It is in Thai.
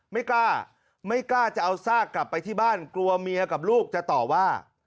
ไม่กล้าไม่กล้าจะเอาซากกลับไปที่บ้านกลัวเมียกับลูกจะต่อว่า